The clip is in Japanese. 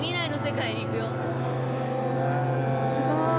すごい。